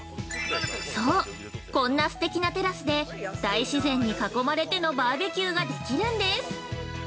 ◆そう、こんなすてきなテラスで、大自然に囲まれてのバーベキューができるんです。